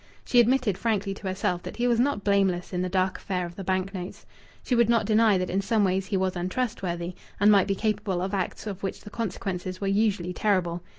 She admitted frankly to herself that he was not blameless in the dark affair of the bank notes. She would not deny that in some ways he was untrustworthy, and might be capable of acts of which the consequences were usually terrible.